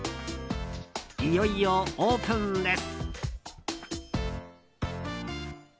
いよいよオープンです。